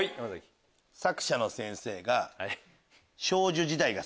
作者の先生が。